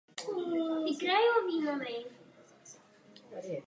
První čtyři ročníky se hrálo jen na body systémem každý s každým.